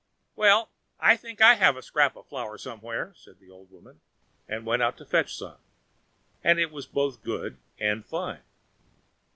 "Well, I think I have a scrap of flour somewhere," said the old woman, and went out to fetch some, and it was both good and fine.